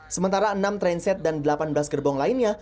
sementara enam transit dan delapan belas gerbong lainnya